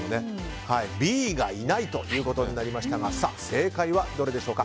Ｂがいないということになりましたが正解はどれでしょうか。